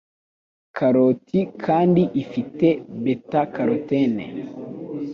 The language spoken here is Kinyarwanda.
Karoti kandi ifite 'beta-carotene',